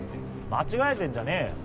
間違えてんじゃねえよ。